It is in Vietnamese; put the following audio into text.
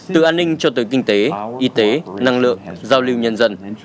từ an ninh cho tới kinh tế y tế năng lượng giao lưu nhân dân